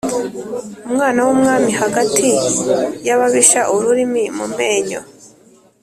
Umwana w'umwami hagati y'ababisha-Ururimi mu menyo.